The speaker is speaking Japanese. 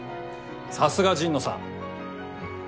さすが神野さん。